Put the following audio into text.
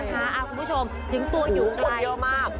คุณผู้ชมถึงตัวอยู่ไกลเยอะมาก